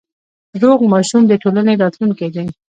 روغ ماشوم د ټولنې راتلونکی دی۔